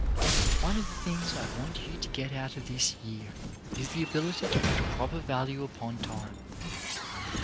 One of the things I want you to get out of this year is the ability to put a proper value upon time.